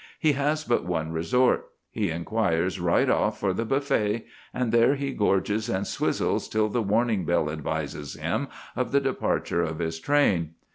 He has but one resort: he inquires right off for the buffet, and there he gorges and swizzles till the warning bell advises him of the departure of his train.